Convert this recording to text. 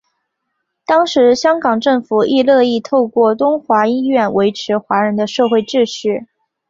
当时香港政府亦乐意透过东华医院维持华人的社会秩序。